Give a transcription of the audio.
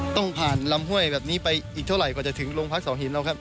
ต้องผ่านลำห้วยแบบนี้ไปอีกเท่าไหร่กว่าจะถึงโรงพักเสาหินแล้วครับ